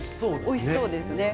おいしそうですね。